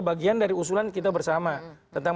bagian dari usulan kita bersama tentang